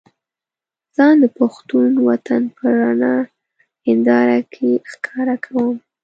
ځان د پښتون وطن په رڼه هينداره کې ښکاره کوم.